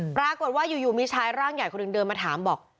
ปรากฏว่าอยู่มีชายร่างใหญ่คนหนึ่งเดินมาถามบอก